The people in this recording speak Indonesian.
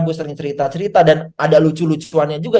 gue sering cerita cerita dan ada lucu lucuannya juga